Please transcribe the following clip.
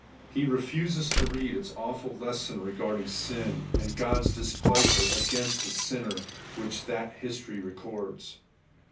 He refuses to read its awful lesson regarding sin, and God's displeasure against the sinner, which that history records.